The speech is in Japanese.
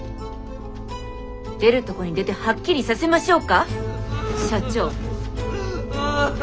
出るとこに出てはっきりさせましょうか社長。